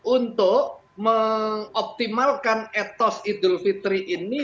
untuk mengoptimalkan etos idul fitri ini